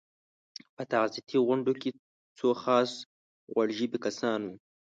په تعزیتي غونډو کې څو خاص غوړ ژبي کسان وو.